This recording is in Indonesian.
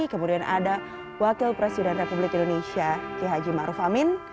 kemudian ada wakil presiden republik indonesia kihaji maruf amin